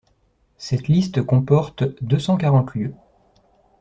Cette liste comporte deux-cent-quarante lieux.